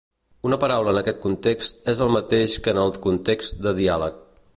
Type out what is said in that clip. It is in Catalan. Una paraula en aquest context és el mateix que en el context de diàleg.